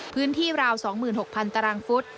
พื้นที่ราว๒๖๐๐๐ตารางฟุต